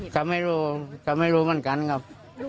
ก็ไม่รู้เขาไม่รู้เหมือนกันครับ